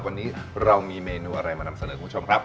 วันนี้เรามีเมนูอะไรมานำเสนอคุณผู้ชมครับ